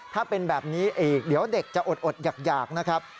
ถ้าเป็นแบบนี้อีกเดี๋ยวเด็กจะอดอยากนะครับ